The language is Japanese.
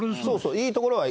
いいところはいい。